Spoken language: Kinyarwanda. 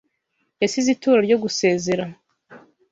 Yasize ituro ryo gusezera